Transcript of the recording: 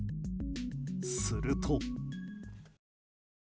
すると。